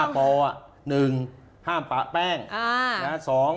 ป๑ห้ามปะแป้ง